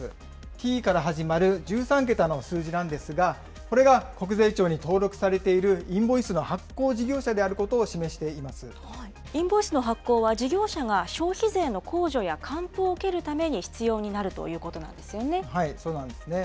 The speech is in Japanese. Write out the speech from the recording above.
Ｔから始まる１３桁の数字なんですが、これが国税庁に登録されているインボイスの発行事業者であることインボイスの発行は、事業者が消費税の控除や還付を受けるために必要になるということそうなんですね。